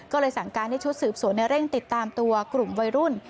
ก็เลยสั่งการให้ชุดสืบสวนเร่งติดตามตัวกลุ่มวัยรุ่น